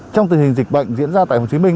trong tình hình dịch bệnh diễn ra tại hồ chí minh